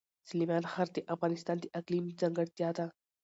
سلیمان غر د افغانستان د اقلیم ځانګړتیا ده.